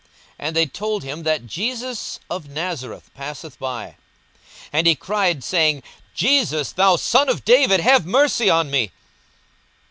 42:018:037 And they told him, that Jesus of Nazareth passeth by. 42:018:038 And he cried, saying, Jesus, thou son of David, have mercy on me.